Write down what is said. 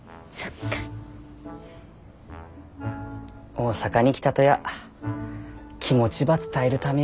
大阪に来たとや気持ちば伝えるためやったとさ。